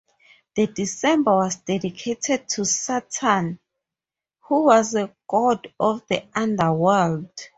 That December was dedicated to Saturn, who was a god of the underworld.